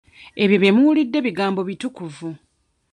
Ebyo bye muwulidde bigambo bitukuvu.